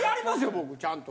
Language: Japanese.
僕ちゃんと。